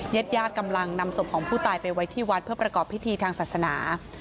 ญาติญาติกำลังนำศพของผู้ตายไปไว้ที่วัดเพื่อประกอบพิธีทางศาสนา